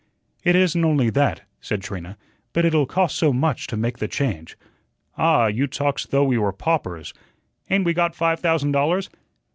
"It isn't only that," said Trina, "but it'll cost so much to make the change." "Ah, you talk's though we were paupers. Ain't we got five thousand dollars?"